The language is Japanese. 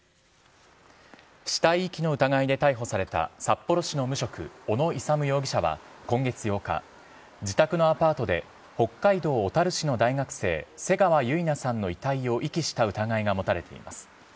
死体遺棄の疑いで逮捕された札幌市の無職、小野勇容疑者は今月８日、自宅のアパートで北海道小樽市の大学生、瀬川結菜さんの遺体を遺棄した疑いが持たれています。